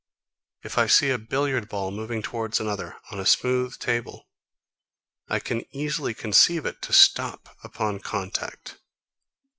If I see a billiard ball moving towards another, on a smooth table, I can easily conceive it to stop upon contact.